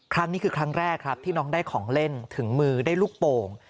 ครั้งนี้คือครั้งแรกครับที่น้องได้ของเล่นถึงมือได้ลูกโป่ง